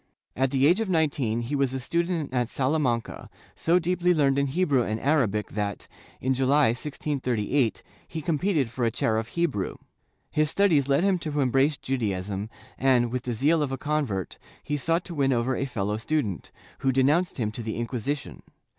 At the age of nineteen he was a stu dent at Salamanca, so deeply learned in Hebrew and Arabic that, in July, 1638, he competed for a chair of Hebrew. His studies led him to embrace Judaism and, with the zeal of a convert, he sought to win over a fellow student, who denounced him to the Inquisi tion.